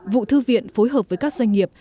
vụ thư viện phối hợp với các doanh nghiệp